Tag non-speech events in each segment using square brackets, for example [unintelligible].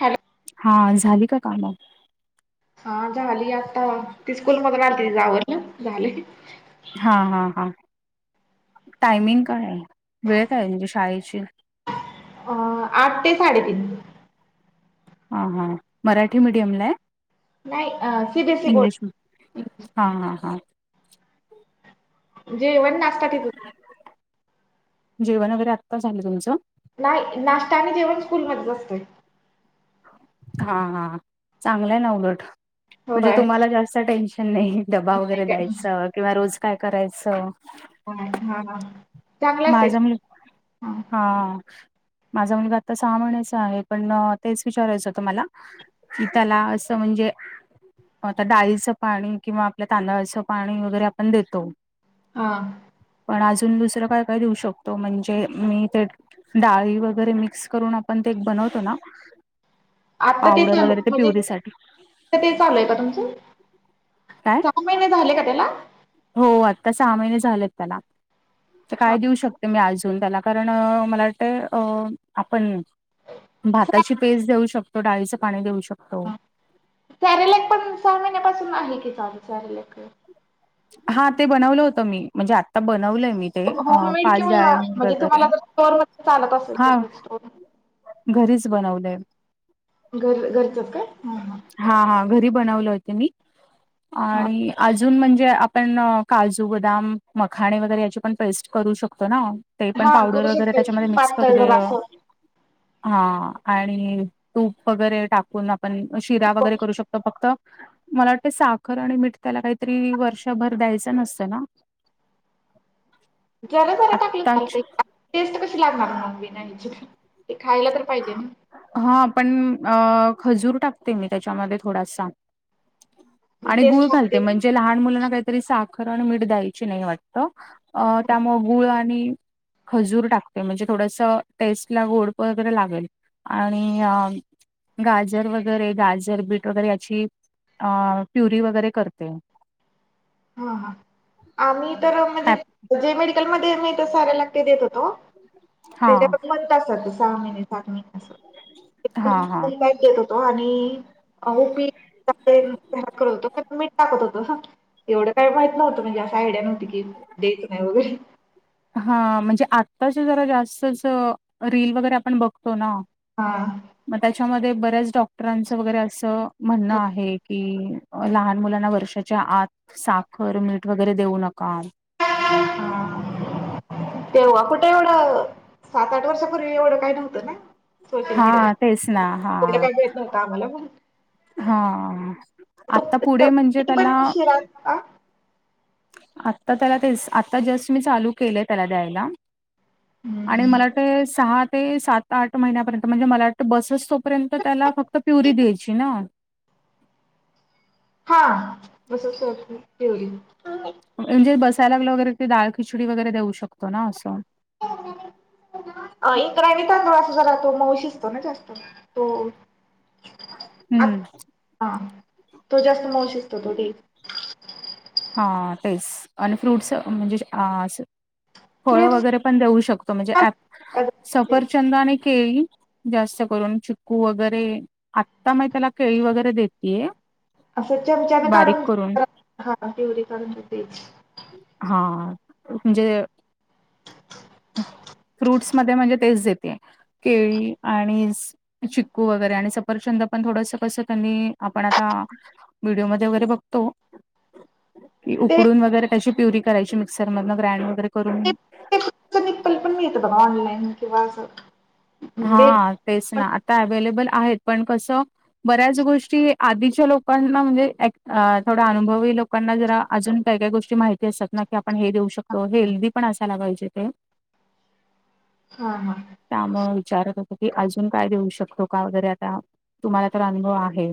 Hello. हा झाली का कामं? हा झाली आता ती स्कूल मधून राहिली त जावन या झाली. हा हा हा टायमिंग काय आहे? वेळ काय म्हणजे शाळेची? अ आठ ते साडेतीन हा हा मराठी मीडियम ला नाही अ सीबीएसई इंग्लिश बोर्ड हा हा हा. जेवण नाश्ता तिथ. जेवण वगैरे आत्ता झालं तुमचं? नाही नाश्ता आणि जेवण स्कूलमध्येच असतं. हा चांगलं ना उलट म्हणजे होय तुम्हाला जास्त टेन्शन नाही. डबा नाही वगैरे द्यायचं किंवा रोज काय करायचं? हाय हा हा. चांगलं असतंय माझा मुल हा. माझा मुलगा आता सहा म्हणायचा आहे पण तेच विचारायचं होत मला. की त्याला असं म्हणजे आता डाळीचं पाणी किंवा आपल्या तांदळाचं पाणी वगैरे आपण देतो. हा. पण अजून दुसरं काय काय देऊ शकतो म्हणजे मी ते. डाळी वगैरे मिक्स करून आपण ते एक बनवतो ना. आता पावडर तेच्या वगैरे ते म्हणजे प्युरीसाठी ते चालय का तुमचं? काय? सहा महिने झाले का त्याला. हो आता सहा महिने झालेत त्याला तर हा काय देऊ शकते मी अजून त्याला. कारण अ मला वाटतंय अ आपण भाताची पेस्ट देऊ शकतो डाळीचं पाणी देऊ शकतो. सॅरलेक पण सहा महिन्यापासून आहे की चाल सॅरेलक. हा ते बनवलं होतं मी म्हणजे आत्ता बनवलंय मी. ते अ होममेड किंवा पाचजळ म्हणजे वगैरे तुम्हाला जर स्टोअर मध्ये चालत असेल हा. तर स्टोअर घरीच बनवलंय. घर घरचच काय ह ह. हा हा घरी बनवलं होते मी हा आणि अजून म्हणजे ते आपण काजू बदाम मखाणे वगैरे याची पण पेस्ट करू शकतो ना. ते पण हा करू पावडर वगैरे शकता की त्याच्यामध्ये मिक्स करू पातळ जरा दिव्या. असं हा आणि तूप वगैरे टाकून आपण शिरा हो वगैरे करू शक. त फक्त मला वाटत साखर आणि मिठ त्याला काहीतरी वर शभर द्यायचं नसतं ना. जरा जरा टाकलं झाल आत्ताच टेस्ट कशी लागणार मून बीना हची. ते खायला तर पाहिजे ना. हा पण अ खजूर टाकते मी त्याच्यामध्ये थोडासा. आणि टेस्ट गुळालते लागते म्हणजे ना लहान मुलांना काय तरी साखर मीठ द्यायची नाही वाटत अ त्यामुळे गुळ आणि खजूर टाकते म्हणजे थोडस टेस्ट ला गोडप. जर लागेल आणि गाजर वगैरे गाजर बीट वगैरे याची. अ प्युरी वगैरे करते. हा हा आम्ही तर म्हणजे हा जे मेडिकलमध्ये आ म्ही तर साऱ्या लागटे देत होतो. हा त्याच्यावर मंत असतात सहा महिने सात महिने अस. हा हेत होतो आणि उपीत होतो मीठ टाकत होत. एवढं काय माहित नव्हतं म्हणजे असं आयडिया नव्हती की देत नाही वगैरे. हा म्हणजे आत्ताचे जरा जास्तच रील वगैरे आपण बघतो ना. हा. मग त्याच्यामध्ये बऱ्याच डॉक्टरांच वगैरे असं म्हणणं आहे. कि लहान मुलांना वर्षाच्या आत साखर मीठ वगैरे देऊ नका. हा हा तेव्हा कुठं एवढं सात आठ वर्षापूर्वी एवढं काय नव्हतं ना. सोशल हा मीडिया तेच ना हा. कुठलं काही मिळत नव्हतं आम्हाला पण हा तो आता पुढे म्हणजे पण त्याला. शिरा आ. आता त्याला तेच आता जस्ट मी चालू केलेय त्याला दैयला आणि मला वाटत सहा ते सात आठ महिन्यापर्यंत म्हणजे मला वाटतं बसूसू. यंत त्याला फक्त प्युरी द्यायची ना. हा [unintelligible] तेवढी. म्हणजे बसायला लागलं वगैरे दाळ खिचडी वगैरे देऊ शकतो ना असं. ह [unintelligible] अ इंद्रायणी तांदूळ असं जरा तो मऊ शिजतो ना जास्त. हो. हम्म. हा तो जास्त मोश असतो तो तेथे हा तेच आणि फ्रूट्स् अ म्हणजे असं फळ फ्रूट्स वगैरे. पण देऊ शकतो म्हणजे अँप सफरचंदाने केळी. जास्त करून चिकू वगैरे आता मग त्याला केळी वगैरे देतये. असं चमचाने काढून हा पिवरी काढून देथे. हां म्हणजे फ्रूट्स मध्ये म्हणजे तेच देते केळी आणि स चिक्कू वगैरे आणि सफरचंद पण थोडसं कसं त्यांनी आपण आता व्हिडिओ मध्ये वगैरे बघतो. ते कडून वगैरे कची प्युरी करायची मिक्सर मधन ग्राइंड वगैरे करून. निप्पल [inaudible] पण मी येत बघा ऑनलाईन किंवा असं. बेबी हा तेच पण ना, आता अवेलेबल आहेत पण कसं बऱ्याच गोष्टी आधीच्या लोकांना म्हणजे अँट अ थोड अनुभवी लोक. लोकांना जरा अजून काही काही गोष्टी माहिती असतात ना की आपण हे देऊ शकतो हेल्दी पण असायला पाहिजे ते. हा हा त्यामूळ विचारत होतो की अजून काय देऊ शकतो का वगैरे आता तुम्हाला तर अनुभव आहे.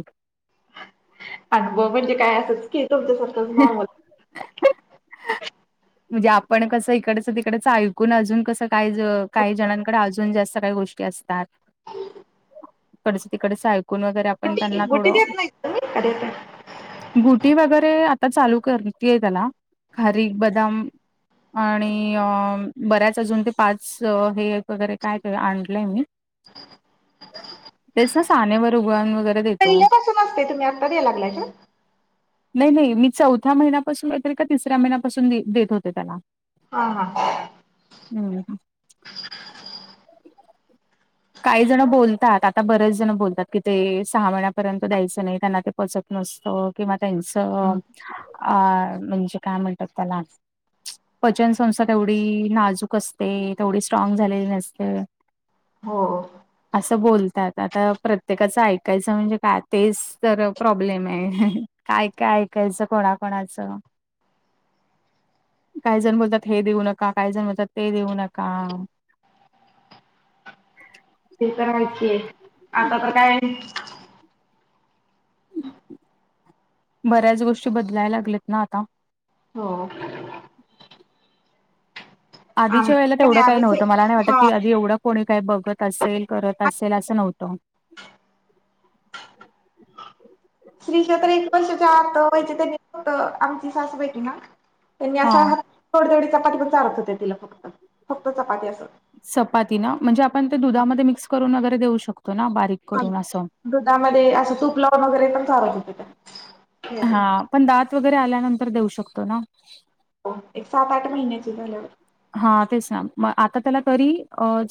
अनुभव म्हणजे काय असं की तुमच्यासारखंच नॉर्मल. म्हणजे आपण कस इकडचं तिकडच ऐकून अजून कसं. काहीज काही जणांकडे आज. [unintelligible] गोष्ट असतात परतीून वर पण गुटी त्यांना गुटी थोडं देत नाही तुम्ही का देताय गुड. ठी वगैरे आता चालू करते आहे त्याला खारी बदाम. आणि अ बऱ्याच अजून ते पाच अ हे वगैरे काय काय आणलंय मी. [unintelligible] तेच ना सानेवर उगण वगैरे देतो. ते तुम् आत्ता द्याला लागलाय. नाही नाही मी चौथ्या महिन्यापासून येते का तिसऱ्या महिन्यापासून देत होते त्याला. हा हां हम्म [inaudible] काही जण बोलतात आता बरेच जण बोलतात की ते सहा महिन्यापर्यंत द्यायचं नाही त्यांना ते. पचत नसतं किंवा त्यांचं अ आ म्हणजे काय म्हणतात त्याला. पचनसंस्था तेवढी नाजूक असते तेवढी स्ट्राग झालेली नसते‌. हो हो. असं बोलतात आता प्रत्येकाचं ऐकायचं म्हणजे काय, तेच तर प्रॉब्लेम हाय. काय काय ऐकायचं कोणा कोणाचं. काही जण बोलतात हे देऊ नका काहीजण बोलतात ते देऊ नका. ते करायचीय आता तर काय. बऱ्याच गोष्टी बदलायला लागल्यात ना आता. हो. आम आधीच्या वेळेला तेवढं आम्ही स कायव्हतं मला नाही वाटत हा की आधी एवढं कोणी काही बघत असेल करत असेल असं नव्हतं. श्री क्षेत्र एक वर्षाच्या आत व्हायचे त्यां होत आमची सासबेटी ना. त्यांनी अशा हा हात चपाती पण चालत होते तिला फक्त फक्त चपाती असत. चपाती ना म्हणजे आपण ते दुधामध्ये मिक्स करून वगैरे देऊ शकतो ना बारीक. करून असं. दुधामध्ये असं तूप लावून वगैरे पण सारत होते त्या. हा पण दात वगैरे आल्यानंतर देऊ शकतो ना. हो एक सात आठ महिन्याची झाल्यावर. हा तेच ना म आता त्याला तरी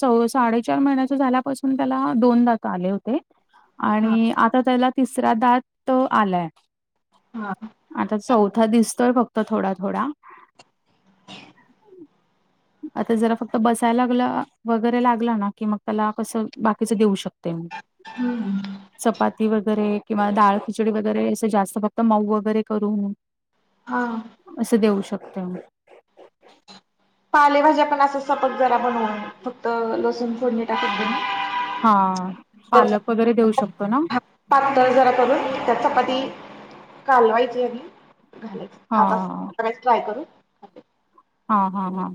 चौ साडेचार महिन्याच झाल्यापासून त्याला दोनदा त आले होते हा आणि आता त्याला तिसरा दात आलाय. हा. आता चौथा दिसतोय फक्त थोडा थोडा. आता जरा फक्त बसायला लागला. वगैरे लागला ना, कि मग त्याला कसं बाकीचं देऊ शकते मग. हम्. चपाती वगैरे किंवा ाळ खिचडी वगैरे असं जास्त फक्त मऊ वगैरे करून. हा. असं देऊ शकत. पालेभाज्या पण असं स्वयंपाक जरा बनवून फक्त लसूण फोडणी टाकत. हा तर पालक वगैरे देऊ शकतो ना. पातळ जरा करून त्या चपाती कालवायची आणि घालायचे. हा खातच ट्राय करू ख. हा हा हा.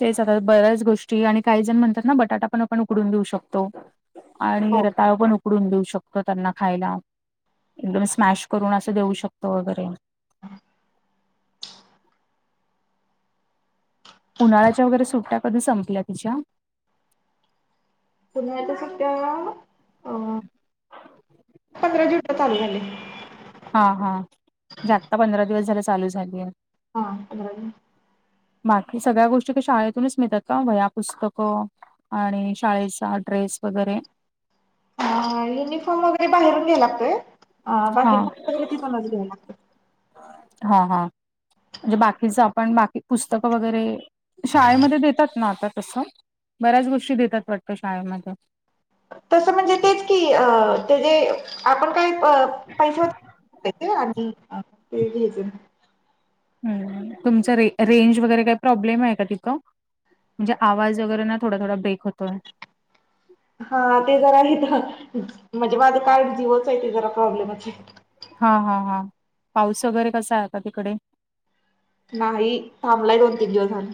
तेच आ बऱ्याच गोष्टी आणि काही जण म्हणतात ना बटाटा पण आपण उकडून देऊ शकतो. आणि हो रताळ पण उकडून देऊ शकतो. त्यांना खायला एकदम स्मॅश करून असं देऊ शकत वगैरे. उन्हाळ्याच्या वगैरे सुट्ट्या कधी संपल्या तिच्या? पुन्हाता सध्या अ. [unintelligible] [unintelligible] चालू झालंय. हा हा ज्या आता पंधरा दिवस झाला चालू झालीय. हा अ्र. बाकी सगळ्या गोष्टी का शाळेतूनच मिळतात का वया पुस्तकं आणि शाळेचा ड्रेस वगैरे युनिफॉर्म वगैरे बाहेरून घ्याय लागतय अ हा बाकी ब तिथूनच घ्याऊ लागतो. हा हा. म्हणजे बाकीचं आपण बाकी पुस्तकं वगैरे शाळेमध्ये देतात ना आता तसं. बऱ्याच गोष्टी देतात वाटत शाळेमध्ये तसं म्हणजे तेच की ते जे आपण काय अ पैसे आणि ते. तुमचं रे रेंज वगैरे काही प्रॉब्लेम आहे का तिथं. म्हणजे आवाज वगैरे ना थोड थोडा ब्रेक होतोय. हा ते जरा इथं आहे. म्हणजे माझे कार्ड माझं जिओच आहे ते जरा प्रॉब्लेमच आहे. हा हा हा पाऊस वगैरे कसा आहे का तिकडे. नाही थांबलाय दोन तीन दिवसां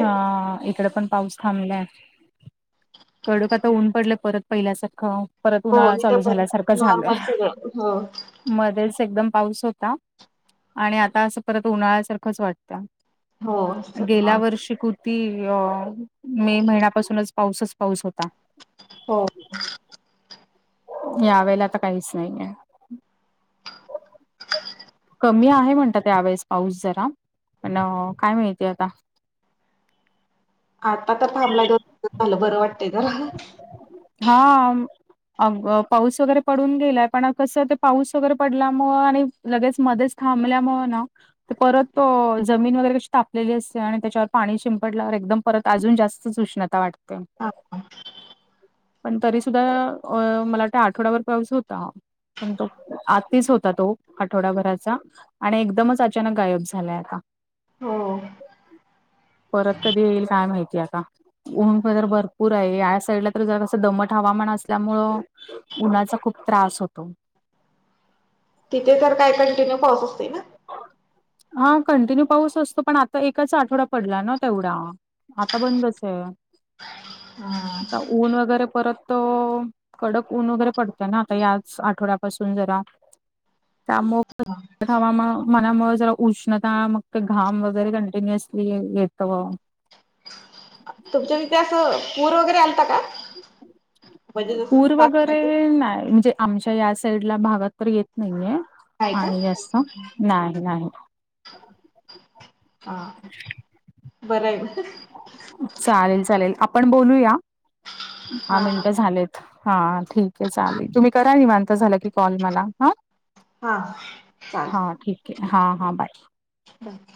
हा, इकडे पण पाऊस. थांबलंय- कडक आता ऊन पडलं परत पहिल्यासारखं. परत हो उन्हाळा चालू इथं पण झाल्यासारखं झालंय. नॉर्मल सगळं हो मध्येच एकदम पाऊस होता आणि आता असं परत उन्हाळ्यासारखंच वाटतं. हो गेल्या नॉर्मल वर शिकृती अ मे महिन्यापासूनच पाऊसच पाऊस होता. हो. यावेेळेला आता काहीच नाही आहे. [inaudible] [unintelligible] कमी आहे म्हणतात त्यावेेळेस पाऊस जरा पण काय माहिती आता आता तर थांबलाय दोन दि झालं बरं वाटतय. हा. अ पाऊस वगैरे पडून गेलाय पण कसं ते पाऊस वगैरे पडल्यामु आणि लगेच मध्येच थांबल्यामुळे ना. परत जमीन वगैरे कशी तापलेली असते आणि त्याच्यावर पाणी शिंपडल्यावर एकदम परत अजून जास्त सूष्णता वाटते. पण तरी सुुद्धा मला वाट आठवड्यावरर पाऊस होता. पण तो आत्तीच होता तो आठवडाभराचा आणि एकदमच अचानक गायब झालाय आता हो. परत कधी येईल काय माहिती आता. ऊं प तरर भरपूर आहे या साईडला तर जरा कसं दमट हवामान असल्यामुळ उन्हाचा खूप त्रास होतो. तिथे तर काय कंटिन्यू पाऊस असते ना. हा कंटिन्यू पाऊस असतो पण आता एकाचा आठवडा पडला ना तेवढा आता बंदच आहे आता ऊन वगैरे परत कडक ऊन वगैरे पडतय ना आता याच आठवड्यापासून जरा त्यामुळ [unintelligible] मा मनामुळे जरा उष्णता मग ते घाम वगैरे कंटिन्युअसली येतं तुमच्या तथ असं पूर वगैरे आलता का? म्हणजे जस पूर वगैरे बातम्या नाही म्हणजे आमच्या या साईडला भागात तर येत नाहीये. नाही का आणि जास्त नाही नाही. हा बरं आहे. चालेल चालेल आपण बोलूया हहा हा हा मिनटं झालेत. हा ठीक आहे चालेल तुम्ही करा निवांत झालं की कॉल मला हा हा हा ठीक आहे हा हा बाय. राख.